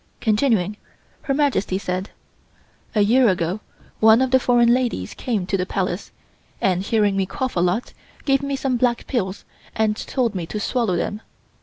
Continuing, Her Majesty said: "A year ago one of the foreign ladies came to the Palace, and hearing me cough a lot, gave me some black pills and told me to swallow them.